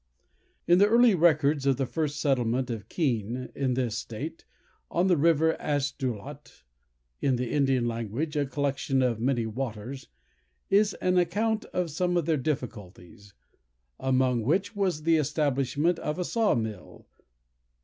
In the early records of the first settlement of Keene, in this state, on the river Asduelot, (in the Indian language, a collection of many waters,) is an account of some of their difficulties; among which was the establishment of a saw mill.